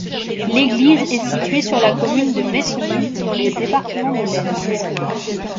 L'église est située sur la commune de Maissemy, dans le département de l'Aisne.